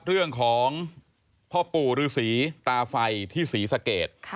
เรื่องของพ่อปู่ฤษีตาไฟที่ศรีสะเกด